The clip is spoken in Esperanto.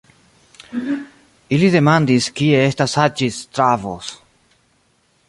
Ili demandis, kie estas Haĝi-Stavros.